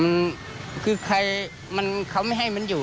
มันคือใครมันเขาไม่ให้มันอยู่